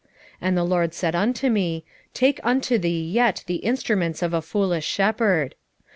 11:15 And the LORD said unto me, Take unto thee yet the instruments of a foolish shepherd.